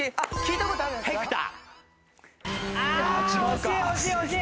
ああ惜しい惜しい惜しい！